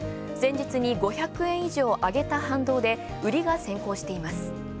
前日に５００円以上あげた反動で売りが先行しています。